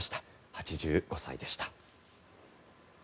８５歳でした。